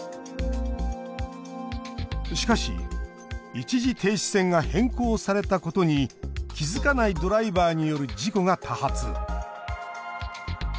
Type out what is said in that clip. しかし、一時停止線が変更されたことに気付かないドライバーによる事故が多発。